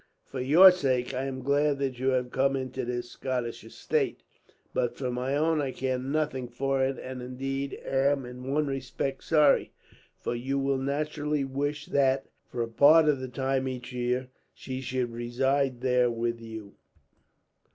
"For your sake, I am glad that you have come into this Scottish estate; but for my own I care nothing for it, and indeed, am in one respect sorry; for you will naturally wish that, for a part of the time each year, she should reside there with you.